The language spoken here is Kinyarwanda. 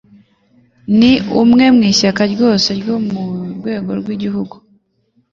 Ni umwe mu mashyaka yose yo mu rwego rwo hejuru